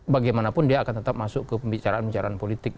bagaimanapun dia akan tetap masuk ke pembicaraan pembicaraan politik